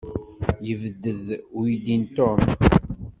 Yebded uydi n Tom.